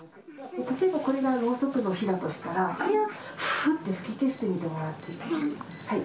例えばこれがろうそくの火だとしたら、これをふーって吹き消してもらって。